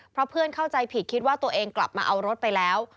เพราะเพื่อนเข้าใจผิดคิดว่าตัวเองกลับมาเอารถไปแล้ว